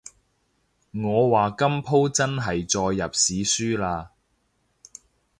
我話今舖真係載入史書喇